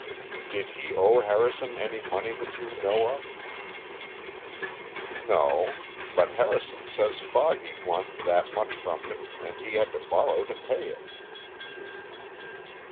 "Did he owe Harrison any money that you know of?" "No; but Harrison says Foggy won that much from him, and he had to borrow to pay it."